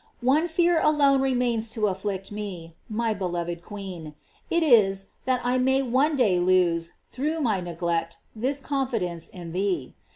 One fear alone remains to afflict me, my beloved queen: it is, that I may one day lose, through my neglect, this confidence in thee.